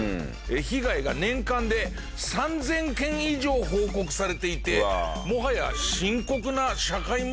被害が年間で３０００件以上報告されていてもはや深刻な社会問題なんだそうです。